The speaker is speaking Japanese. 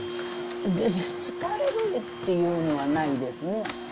私、疲れるっていうのはないですね。